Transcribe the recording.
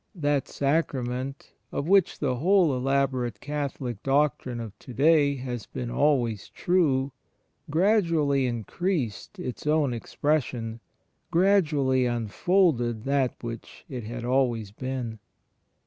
That Sacra ment, of which the whole elaborate Catholic doctrine of ^ Luke ii : 52. CHRIST IN THE EXTERIOR 49 to day, has been always true, gradually increased Its own expression, gradually unfolded that which It had always been.